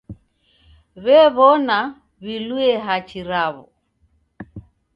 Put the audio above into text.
W'ew'ona w'iluye hachi raw'o.